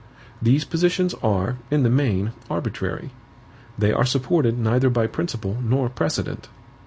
These positions are, in the main, arbitrary; they are supported neither by principle nor precedent.